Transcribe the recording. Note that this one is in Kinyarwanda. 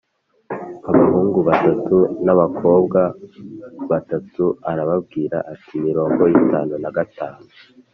abahungu batatu n’abakobwa batatu, arababwira ati mirongo itanu na gatatu